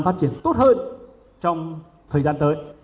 phát triển tốt hơn trong thời gian tới